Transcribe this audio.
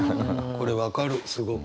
これ分かるすごく。